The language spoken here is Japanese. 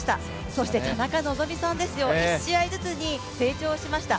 そして田中希実さんですよ、１試合ずつ成長しました。